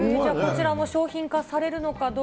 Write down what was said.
こちらも商品化されるのか